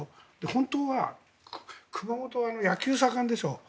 本当は熊本は野球が盛んでしょ。